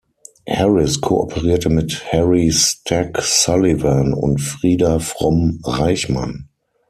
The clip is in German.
Harris kooperierte mit Harry Stack Sullivan und Frieda Fromm-Reichmann.